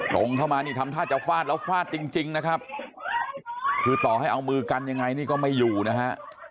ตรงเข้ามานี่ทำท่าจะฟาดแล้วฟาดจริงนะครับคือต่อให้เอามือกันยังไงนี่ก็ไม่อยู่นะฮะ